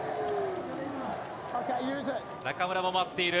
中村も待っている。